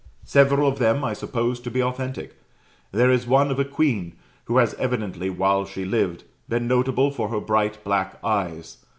Several of them I suppose to be authentic: there is one of a queen, who has evidently, while she lived, been notable for her bright black eyes.